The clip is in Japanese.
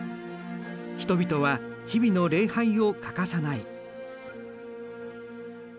人々は日々の礼拝を欠かさない。